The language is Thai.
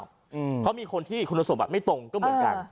เพราะมีคนที่คุณสมบัติไม่ตรงก็เหมือนกัน